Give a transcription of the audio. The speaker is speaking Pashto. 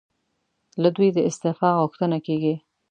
له دوی د استعفی غوښتنه کېږي.